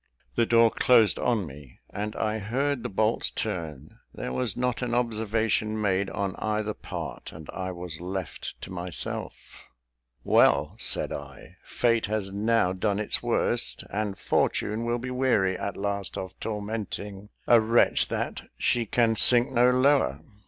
The door closed on me, and I heard the bolts turn. There was not an observation made on either part, and I was left to myself. "Well," said I, "Fate has now done its worst, and Fortune will be weary at last of tormenting a wretch that she can sink no lower!